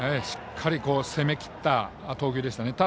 しっかり攻めきった投球でしたね。